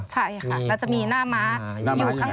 ใช่ค่ะแล้วจะมีหน้าม้าอยู่ข้าง